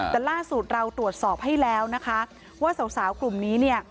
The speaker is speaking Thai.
แต่ล่าสุดเราตรวจสอบให้แล้วว่าสาวกลุ่มนี้